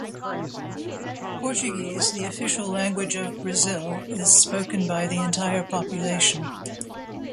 Portuguese, the official language of Brazil, is spoken by the entire population.